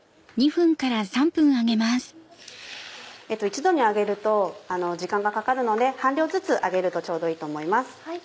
一度に揚げると時間がかかるので半量ずつ揚げるとちょうどいいと思います。